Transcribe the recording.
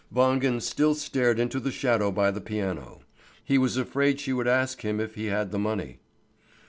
Wangen still stared into the shadow by the piano. He was afraid she would ask him if he had the money.